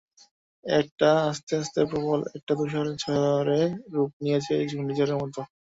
এটা আস্তে আস্তে প্রবল একটা তুষারঝড়ে রূপ নিয়েছে, ঘূর্ণিঝড়ের মতো?